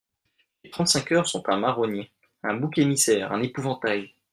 Les trente-cinq heures sont un marronnier, un bouc émissaire, un épouvantail.